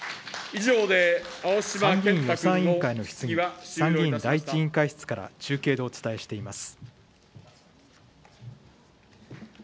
参議院予算委員会の質疑は、参議院第１委員会室から中継でお伝えしています。